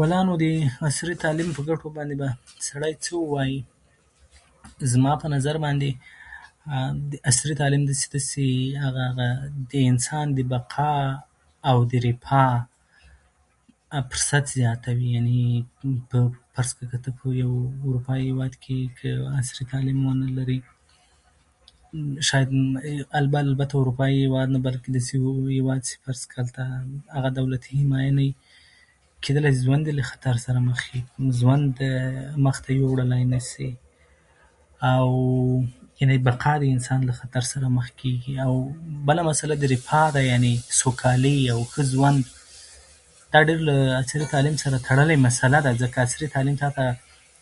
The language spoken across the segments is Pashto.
ولا د نو عصري تعلیم په ګټو باندې به سړی څه ووايي؟ زما په نظر باندې د عصري تعلیم داسې ده چې هغه، هغه د انسان د بقا او د رفاه اوسط زیاتوي. فرض کړه که ته په اروپايي هېواد کې یې او ته عصري تعلیم ونه لرې، شاید البته په اروپايي هېواد نه، بلکې یو بل هېواد چې فرض کړه هلته دولتي مالیه نه وي، کېدلی شي ژوند دې له خطر سره مخ وي، ژوند ته مخته وړلای نه شې. او یعنې بقا د انسان له خطر سره مخ کېږي. او بله مسله د رفاه ده، یعنې سوکالي او ښه ژوند، دا له عصري تعلیم سره تړلې مسله ده، ځکه عصري تعلیم تاته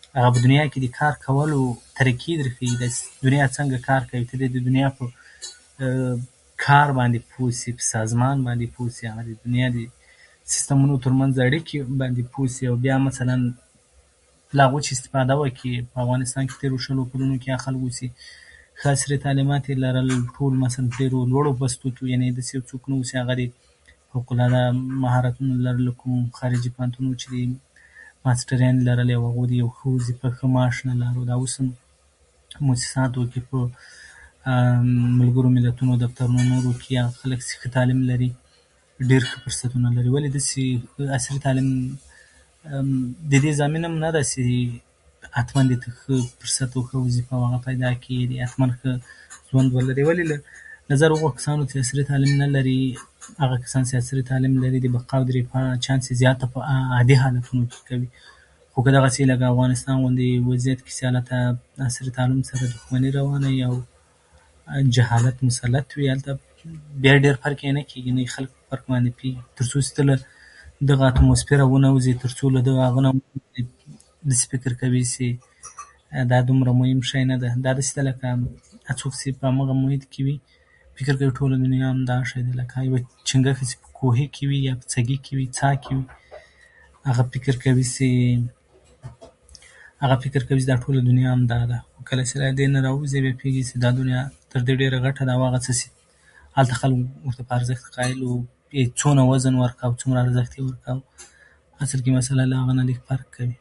په دنیا کې د کار کولو طریقې درښيي، داسې دنیا څنګه کار کوي، ته د دنیا په کار باندې پوه شې، په سازمان باندې پوه شې، د دنیا د سیستمونو تر منځ اړیکې باندې پوه شې، بیا مثلاً له هغو څخه استفاده وکړې. په افغانستان کې په تېرو شلو کلونو کې هغه خلکو چې ښه عصري تعلیمات یې لرل، ټول مثلاً په ډېر یې په لوړو بستو کې، ډېر داسې څوک نه وو مثلاً هغه دې فوق العاده مهارتونو لرلو، کوم خارجي پوهنتون وچلوي، ماسټریانو لرلې، او هغوی د ښه وظیفه، ښه معاش نه لرلو. دا اوس موسساتو کې، په ملګرو ملتونو دفترونو کې، هغه خلک چې ښه تعلیم لري، ډېر ښه فرصتونه لري. ولې داسې عصري تعلیم د زمینه هم نه ده چې حتماً دې ته فرصت او ښه وظیفه پیدا کړي، او حتماً دې ته [unintelligible] ولې نظر هغو کسانو ته چې عصري تعلیم نه لري، هغو کسانو ته چې عصري تعلیم د بقا او [unintelligible] چانس یې زیات ده، په عادي حالتونو کې. خو که دغسې لکه د افغانستان غوندې حالتونو کې چې عصري تعلیم سره دښمني روانه وي او جهالت مسلط وي، هلته بیا ډېر فرق یې نه کېږي، نه خلک یې په ډېر فرق پوهېږي، تر څو چې ته له دغه [unintelligible] راونه وځې. تر څو له دغه هغه نه داسې فکر کوي چې دا دومره مهم شی نه ده. دا داسې ده لکه هغه څوک چې په هغه محیط کې وي، فکر کوي ټوله دنیا همدا شی ده. لکه یوه چونګښه چې په یوه کوهي کې وي، [unintelligible] کې وي، څاه کې وي، هغه فکر کوي چې دا ټوله دنیا همدا ده. کله چې هغه راووځي، بیا پوهېږي چې دا دنیا ډېره غټه ده، او هغه څه چې هلته خلک ورته په ارزښت قایل نه وو، یا څومره وزن ورکاوه، څومره ارزښت یې ورکاوه، اصل کې مسله له هغه نه لږ فرق کوي.